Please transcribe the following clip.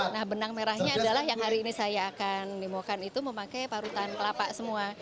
nah benang merahnya adalah yang hari ini saya akan demokan itu memakai parutan kelapa semua